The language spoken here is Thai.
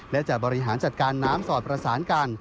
และจะบริหารจัดการน้ำสอดประสานกัน